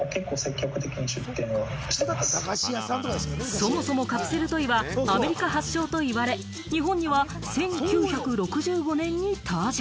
そもそもカプセルトイはアメリカ発祥と言われ、日本には１９６５年に登場。